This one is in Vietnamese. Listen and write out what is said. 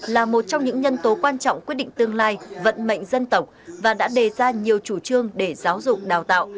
là một trong những nhân tố quan trọng quyết định tương lai vận mệnh dân tộc và đã đề ra nhiều chủ trương để giáo dục đào tạo